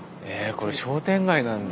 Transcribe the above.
これ商店街なんだ。